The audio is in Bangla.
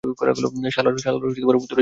শালার ভূতুড়ে জিনিস।